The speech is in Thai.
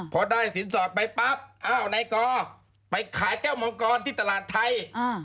พอได้สินสอดไปปั๊บอ้าวนายกอไปขายแก้วมังกรที่ตลาดไทย